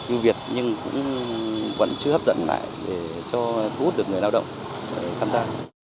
ưu việt nhưng cũng vẫn chưa hấp dẫn lại để cho thu hút được người lao động tham gia